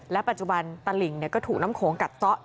และปัจจุบันตลิงก็ถูกล้ามโขงกัดเซาะ